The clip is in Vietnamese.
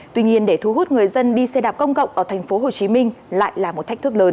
tuy nhiên để thu hút người dân đi xe đạp công cộng ở tp hcm lại là một thách thức lớn